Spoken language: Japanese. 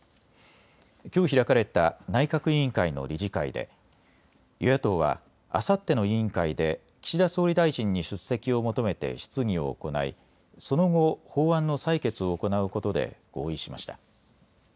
きょう開かれた内閣委員会の理事会で与野党はあさっての委員会で岸田総理大臣に出席を求めて質疑を行い、その後、法案の採決を行うことで合意しました。